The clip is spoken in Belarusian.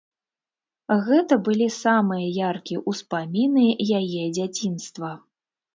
Гэта былі самыя яркія ўспаміны яе дзяцінства.